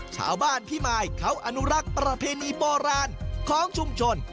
ชาวบ้านพี่มายเขาอนุรักษ์ประเพณีโบราณของชุมชน